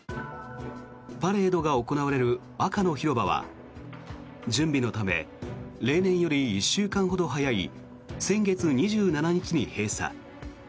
パレードが行われる赤の広場は準備のため例年より１週間ほど早い先月２７日に閉鎖。